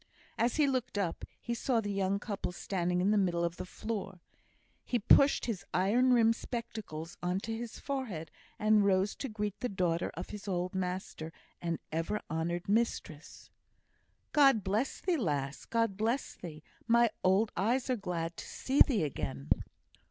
As he looked up, he saw the young couple standing on the middle of the floor. He pushed his iron rimmed spectacles on to his forehead, and rose to greet the daughter of his old master and ever honoured mistress. "God bless thee, lass; God bless thee! My old eyes are glad to see thee again."